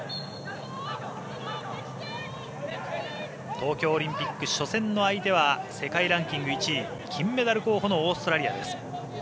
東京オリンピック初戦の相手は世界ランキング１位金メダル候補のオーストラリアです。